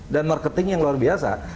dan marketing yang luar biasa